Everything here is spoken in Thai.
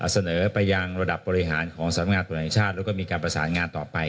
เสนอไปยังระดับบริหารของสำนักงานตรวจแห่งชาติแล้วก็มีการประสานงานต่อไป